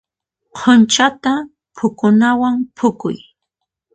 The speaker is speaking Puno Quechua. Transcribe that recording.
Q'unchata phukunawan phukuy.